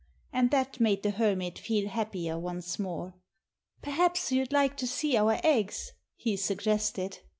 And that made the Hermit feel happier once more. "Perhaps you'd like to see our eggs?" he suggested.